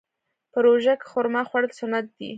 په روژه کې خرما خوړل سنت دي.